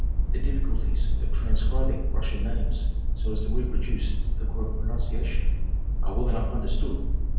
The difficulties of transcribing Russian names so as to reproduce the correct pro nunciation are well enough understood.